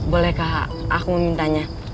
bolehkah aku memintanya